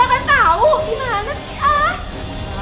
aku nggak akan tahu gimana sih ah